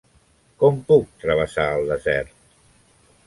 Com puc travessar el desert?